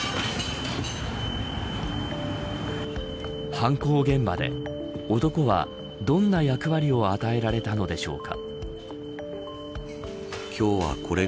犯行現場で男はどんな役割を与えられたのでしょうか。